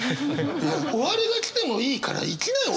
終わりが来てもいいからいきなよ！